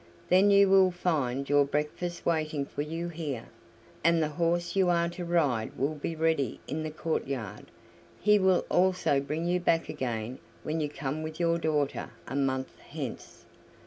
Then you will find your breakfast waiting for you here, and the horse you are to ride will be ready in the courtyard. He will also bring you back again when you come with your daughter a month hence.